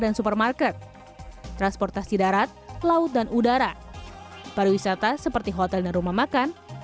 dan supermarket transportasi darat laut dan udara para wisata seperti hotel dan rumah makan